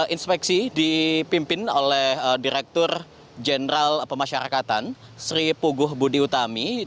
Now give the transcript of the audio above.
inspeksi dipimpin oleh direktur jenderal pemasyarakatan sri puguh budi utami